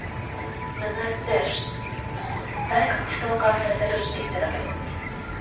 奈々江って誰かにストーカーされてるって言ってたけど逆よ。